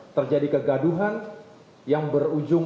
terjadi kegaduhan yang berujung